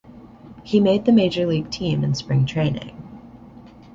He made the major league team in spring training.